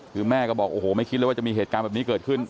คือแม่ก็บอกโอ้โหไม่คิดเลยว่าจะมีเหตุการณ์แบบนี้เกิดขึ้น